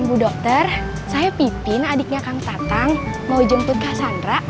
ibu dokter saya pipin adiknya kang tatang mau jemput kak sandra